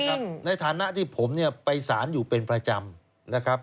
ในฐานะที่ผมเนี่ยไปสารอยู่เป็นประจำนะครับ